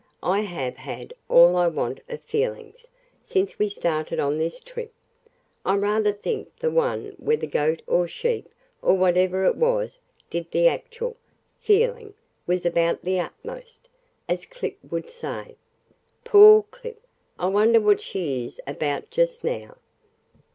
"I have had all I want of 'feelings' since we started on this trip. I rather think the one where the goat or sheep or whatever it was did the actual 'feeling' was about the 'utmost,' as Clip would say. Poor Clip! I wonder what she is about just now."